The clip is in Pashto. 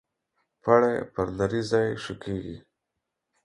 پړى پر نري ځاى شکېږي.